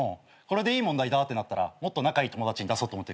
いい問題だってなったらもっと仲いい友達に出そうと思ってるから。